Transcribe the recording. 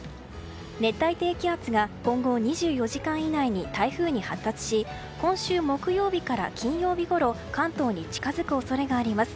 熱帯低気圧が今後２４時間以内に台風に発達し今週木曜日から金曜日ごろ関東に近づく恐れがあります。